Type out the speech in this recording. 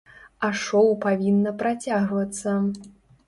А шоу павінна працягвацца.